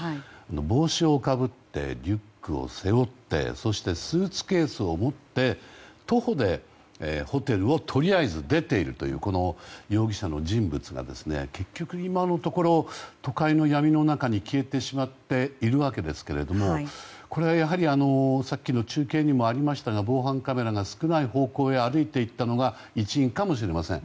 帽子をかぶってリュックを背負ってそして、スーツケースを持って徒歩でホテルをとりあえず出ているという容疑者の人物が結局、今のところ都会の闇の中に消えてしまっているわけですがこれはやはり中継にもありましたが防犯カメラが少ない方向へ歩いて行ったのが一因かもしれません。